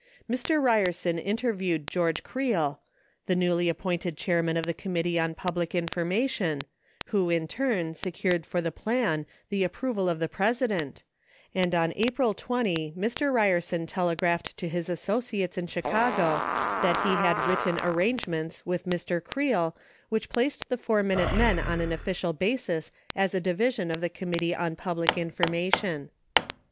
Mr. Ryerson inter is viewed George Creel, the newly appointed chairman of the Committee on Public Information, who in turn secured for the plan the approval of the President, and on April 20 Mr. Ryerson telegraphed to his associates in Chicago that he had written arrangements with Mr. Creel which placed the Four Minute Men on an official basis as a division of the Committee on Public Infor mation.